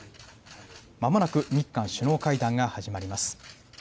まもなく日韓首脳会談が始まります。